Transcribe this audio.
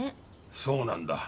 そうなんだ。